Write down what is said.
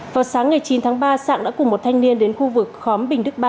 vào sáng ngày chín tháng ba sẵn đã cùng một thanh niên đến khu vực khóm bình đức ba